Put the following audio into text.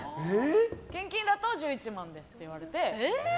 現金だと１１万ですって言われて。